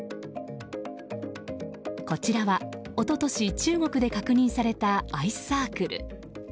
こちらは一昨年中国で確認されたアイスサークル。